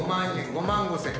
５万５，０００。